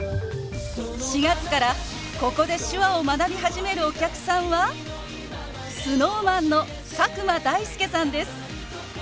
４月からここで手話を学び始めるお客さんはＳｎｏｗＭａｎの佐久間大介さんです。